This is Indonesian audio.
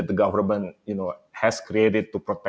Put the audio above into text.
telah menciptakan untuk melindungi sme